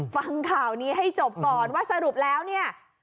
ฟังข่าวนี้ให้จบก่อนว่าสรุปแล้วเนี่ย